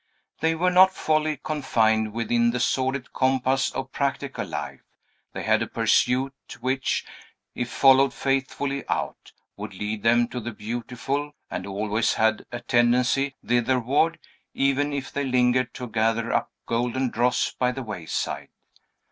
They were not wholly confined within the sordid compass of practical life; they had a pursuit which, if followed faithfully out, would lead them to the beautiful, and always had a tendency thitherward, even if they lingered to gather up golden dross by the wayside.